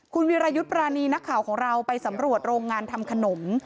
คุณวิรายุทธ์ปรานีนักข่าวของเราไปสำรวจโรงงานทำขนม